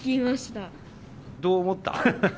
どう思った？